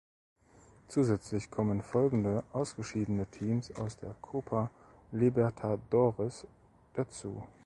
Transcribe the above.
Zusätzlich kommen folgende ausgeschiedene Teams aus der Copa Libertadores dazu.